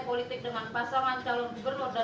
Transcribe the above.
politik dengan pasangan calon gubernur dan